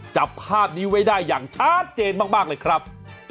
จับภาพนี้ไว้ได้อย่างชัดเจนมากเลยครับ